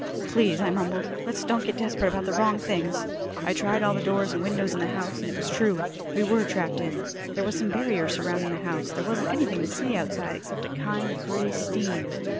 "Please," I mumbled. "Let's don't get desperate about the wrong things." I tried all the doors and windows in the house, and it was true. We were trapped in. There was some barrier surrounding the house. There wasn't anything to see outside except a kind of grey steam.